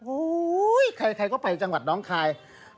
ใครก็ไปจังหวัดน้องคาย